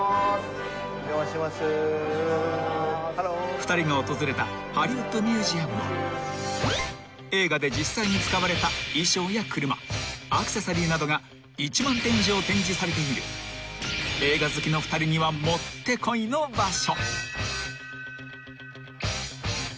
［２人が訪れたハリウッド・ミュージアムは映画で実際に使われた衣装や車アクセサリーなどが１万点以上展示されている映画好きの２人には持ってこいの場所］